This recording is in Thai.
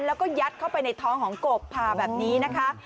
แล้วก็ยัดเข้าไปในท้องของกบผ่าแบบนี้นะคะ